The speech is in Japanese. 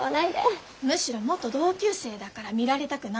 むしろ元同級生だから見られたくないの。